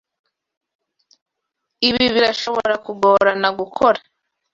Ibi birashobora kugorana gukora.